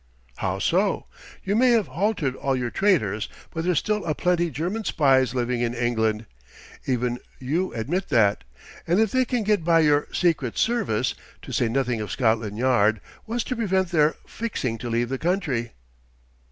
"How so? You may have haltered all your traitors, but there's still a plenty German spies living in England. Even you admit that. And if they can get by your Secret Service, to say nothing of Scotland Yard, what's to prevent their fixing to leave the country?"